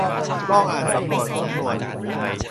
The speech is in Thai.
ลองอ่านสำรวจสำนวน